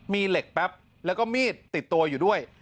มีเหล็กแป๊บแล้วก็มีดติดตัวอยู่ด้วย